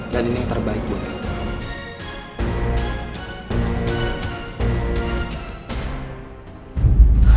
dan ini yang terbaik buat kita